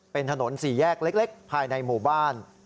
เป็นถนนสี่แยกเล็กภายในหมู่บ้าน